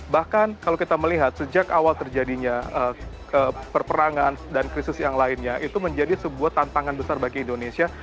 bahkan kalau kita melihat sejak awal terjadinya peperangan dan krisis yang lainnya itu menjadi sebuah tantangan besar bagi indonesia